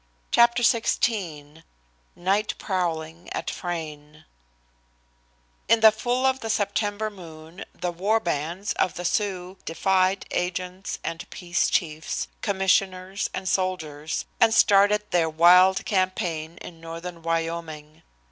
CHAPTER XVI NIGHT PROWLING AT FRAYNE In the full of the September moon the war bands of the Sioux had defied agents and peace chiefs, commissioners and soldiers, and started their wild campaign in northern Wyoming.